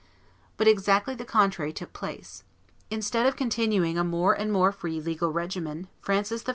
But exactly the contrary took place. Instead of continuing a more and more free and legal regimen, Francis I.